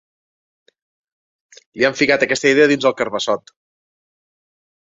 Li han ficat aquesta idea dins el carbassot.